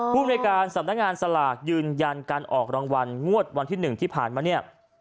ภูมิในการสำนักงานสลากยืนยันการออกรางวัลงวดวันที่๑ที่ผ่านมาเนี่ย